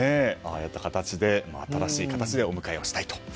ああいった新しい形でお迎えしたいと。